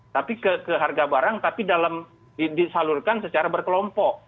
tapi ke harga barang tapi dalam disalurkan secara berkelompok